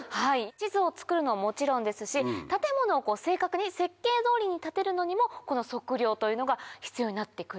地図を作るのはもちろんですし建物を正確に設計通りに建てるのにもこの測量というのが必要になってくるんです。